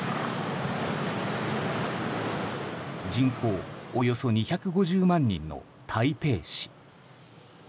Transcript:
人口およそ２５０万人の台北市。